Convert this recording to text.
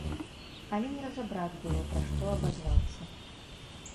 Але не разабраць было, пра што абазваўся.